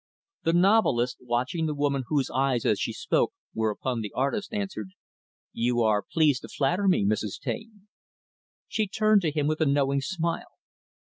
The novelist, watching the woman whose eyes, as she spoke, were upon the artist, answered, "You are pleased to flatter me, Mrs. Taine." She turned to him, with a knowing smile.